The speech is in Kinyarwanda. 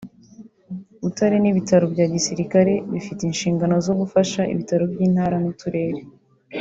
Butare n’ibitaro bya Gisirikare) bafite inshingano zo gufasha ibitaro by’intara n’uturere